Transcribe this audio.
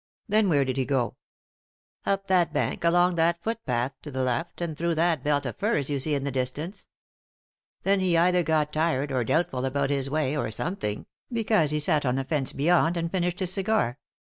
Then where did he go ?" "Up that bank, along that footpath to the left, and through that belt of firs you see in the distance. Then he either got tired, or doubtful about his way, or something, because he sat on the fence beyond and finished his agar.